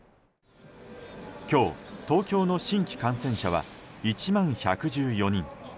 今日、東京の新規感染者は１万１１４人。